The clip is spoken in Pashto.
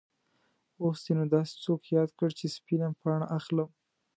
اوس دې نو داسې څوک یاد کړ چې سپینه پاڼه اخلم.